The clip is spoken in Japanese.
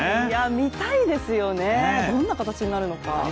見たいですよね、どんな形になるのか。